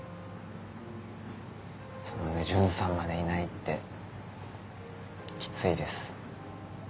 その上純さんまでいないってきついです。